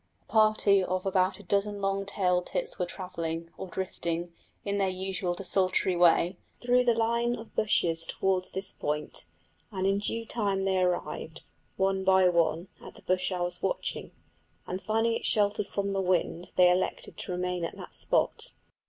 A party of about a dozen long tailed tits were travelling, or drifting, in their usual desultory way, through the line of bushes towards this point, and in due time they arrived, one by one, at the bush I was watching, and finding it sheltered from the wind they elected to remain at that spot.